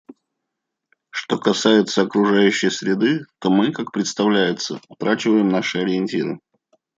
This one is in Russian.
Что касается окружающей среды, то мы, как представляется, утрачиваем наши ориентиры.